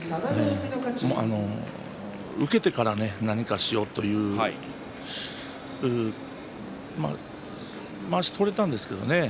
受けてから何かしようというまわしは取れたんですけどね